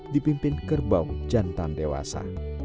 dipimpin kerbau jantan dewasa